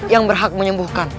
yang berhak menyembuhkan